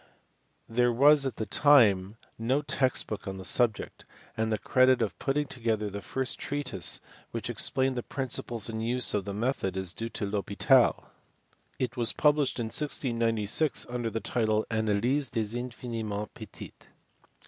There was at that time no text book on the subject, and the credit of putting together the first treatise which explained the principles and use of the method is due to 1 Hospital : it was published in 1696 under the title Analyse des infiniment petits.